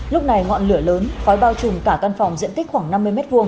lúc này ngọn lửa lớn khói bao trùm cả căn phòng diện tích khoảng năm mươi m hai